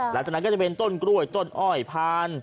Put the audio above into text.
หลังจากนั้นก็จะเป็นต้นกล้วยต้นอ้อยพาน